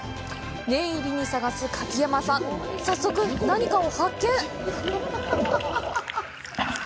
念入りに探す柿山さん、早速、何かを発見！